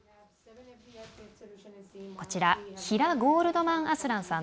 ヒラ・ゴールドマンアスランさん。